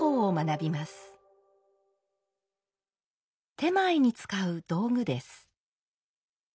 点前に使う道具です。